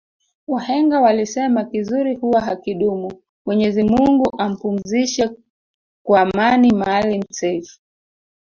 Wahenga walisema kizuri huwa hakidumu Mwenyezi Mungu ampumzishe kwa amani maalim self